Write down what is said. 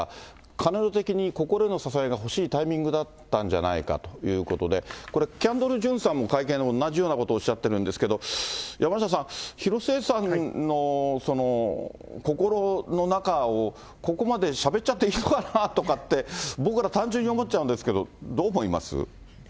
彼女的に心の支えが欲しいタイミングだったんじゃないかということで、これ、キャンドル・ジュンさんも会見で同じようなことをおっしゃってるんですけど、山下さん、広末さんの心の中を、ここまでしゃべっちゃっていいのかなって、僕なんか単純に思っちゃうんですけど、どう思います？